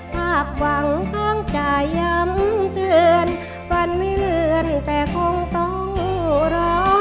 ภาพหวังข้างจะย้ำเตือนฟันไม่เลื่อนแต่คงต้องรอ